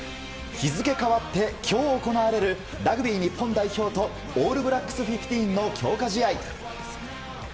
日付変わって今日行われるラグビー日本代表とオールブラックスフィフティーンの強化試合。